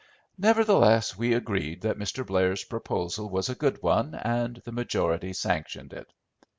Nevertheless we agreed that Mr. Blair's proposal was a good one and the majority sanctioned it.